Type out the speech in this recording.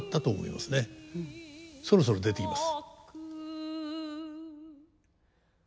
そろそろ出てきます。